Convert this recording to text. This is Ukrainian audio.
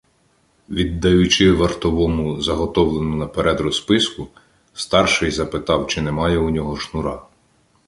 Віддаючи вартовому заготовлену наперед розписку, старший запитав, чи немає у нього шнура.